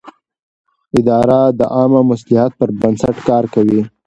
اداره د عامه مصلحت پر بنسټ کار کوي.